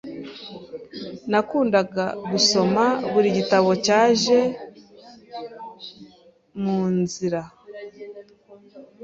Nakundaga gusoma buri gitabo cyaje munzira.